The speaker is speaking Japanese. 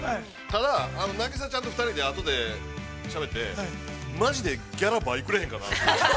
ただ、凪沙ちゃんと２人であとでしゃべってマジで、ギャラ倍くれへんかなって。